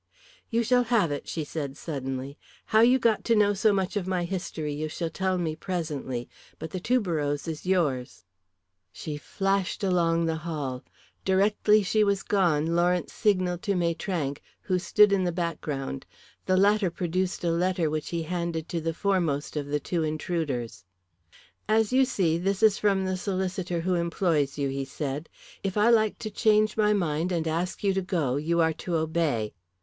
"You shall have it," she said suddenly. "How you got to know so much of my history you shall tell me presently. But the tuberose is yours." She flashed along the hall. Directly she was gone Lawrence signalled to Maitrank, who stood in the background. The latter produced a letter which he handed to the foremost of the two intruders. "As you see, this is from the solicitor who employs you," he said. "If I like to change my mind, and ask you to go you are to obey.